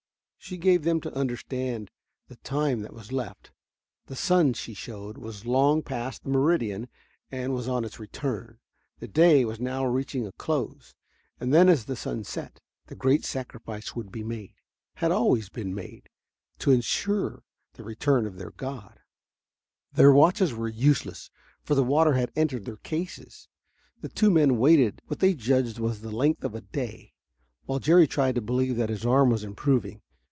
She gave them to understand the time that was left. The sun, she showed, was long past the meridian and was on its return. The day was now reaching a close. And then, as the sun set, the great sacrifice would be made had always been made to insure the return of their god. Their watches were useless, for the water had entered their cases. The two men waited what they judged was the length of a day, while Jerry tried to believe that his arm was improving.